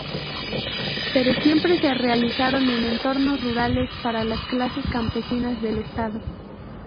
Pero siempre se realizaron en entornos rurales, para las clases campesinas del estado.